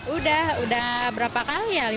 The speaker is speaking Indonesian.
udah udah berapa kali ya